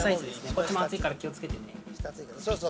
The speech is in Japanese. こっちも熱いから気を付けてね。